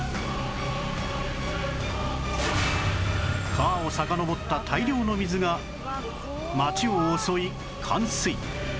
川をさかのぼった大量の水が街を襲い冠水